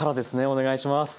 お願いします。